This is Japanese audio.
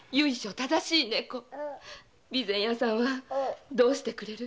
備前屋さんは「どうしてくれる！